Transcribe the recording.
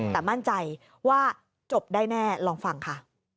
แต่มั่นใจว่าจบได้แน่ลองฟังค่ะ